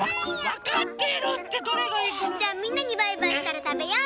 じゃあみんなにバイバイしたらたべよう！